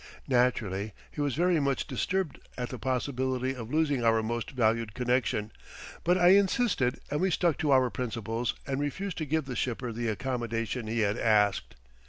Naturally, he was very much disturbed at the possibility of losing our most valued connection, but I insisted and we stuck to our principles and refused to give the shipper the accommodation he had asked.